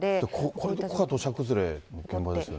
ここが土砂崩れの現場ですよね。